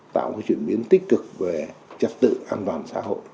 tạo chuyển biến tích cực về trật tự an toàn xã hội